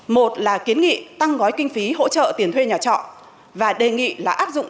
một là kiến nghị tăng gói kinh phí hỗ trợ tiền thuê nhà trọ và đề nghị là áp dụng